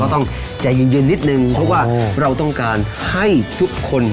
ต้องใจเย็นนิดนึงเพราะว่าเราต้องการให้ทุกคน